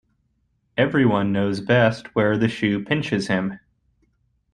Every one knows best where the shoe pinches him.